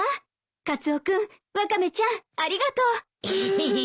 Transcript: カツオ君ワカメちゃんありがとう。エヘヘ。